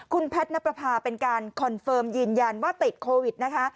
คุณแพทย์นับประพาเป็นการคอนเฟิร์มยืนยันว่าติดโควิดนะคะ